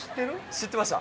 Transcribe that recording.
知ってました。